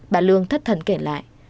bà lương thất thần kể lại